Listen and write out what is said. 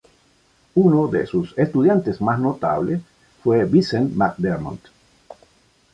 Uno de sus estudiantes más notable fue Vicent McDermott.